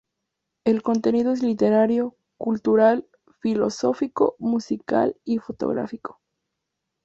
El contenido es literario, cultural, filosófico, musical y fotográfico.